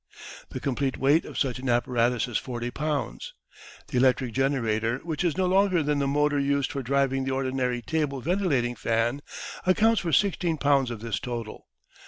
The complete weight of such an apparatus is 40 pounds; the electric generator, which is no larger than the motor used for driving the ordinary table ventilating fan, accounts for 16 pounds of this total.